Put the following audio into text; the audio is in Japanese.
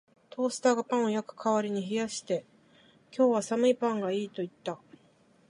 トースターがパンを焼く代わりに冷やして、「今日は寒いパンがいい」と言った